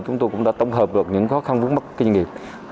chúng tôi cũng đã tổng hợp được những khó khăn vấn mắc doanh nghiệp